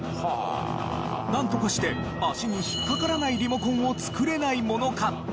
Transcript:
なんとかして足に引っ掛からないリモコンを作れないものかと。